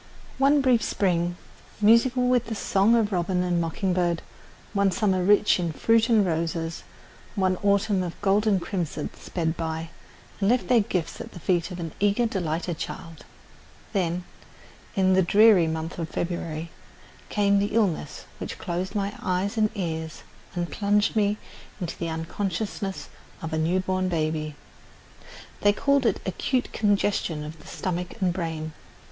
One brief spring, musical with the song of robin and mocking bird, one summer rich in fruit and roses, one autumn of gold and crimson sped by and left their gifts at the feet of an eager, delighted child. Then, in the dreary month of February, came the illness which closed my eyes and ears and plunged me into the unconsciousness of a new born baby. They called it acute congestion of the stomach and brain.